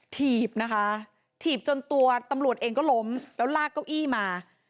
ถีบนะคะถีบจนตัวตำรวจเองก็ล้มแล้วลากเก้าอี้มา